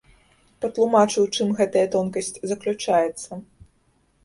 Патлумачу, у чым гэтая тонкасць заключаецца.